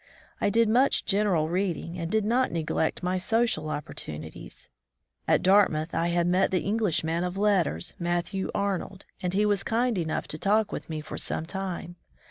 I did much general reading, and did not neglect my social oppor tunities. At Dartmouth I had met the English man of letters, Matthew Arnold, and he was kind enough to talk with me for some time.